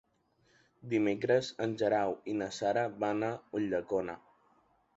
Dimecres en Guerau i na Sara van a Ulldecona.